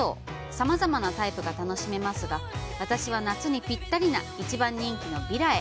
さまざまなタイプが楽しめますが、私は、夏にぴったりな一番人気のヴィラへ。